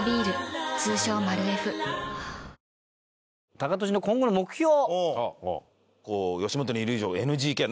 タカトシの今後の目標を。